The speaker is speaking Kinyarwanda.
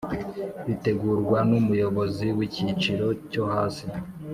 bitegurwa numuyobozi wicyiciro cyo hasi